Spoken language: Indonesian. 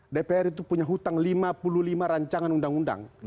dpr itu punya hutang lima puluh lima rancangan undang undang